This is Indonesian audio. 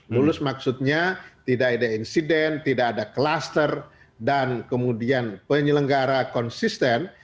lulus maksudnya tidak ada insiden tidak ada kluster dan kemudian penyelenggara konsisten